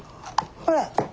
ほら。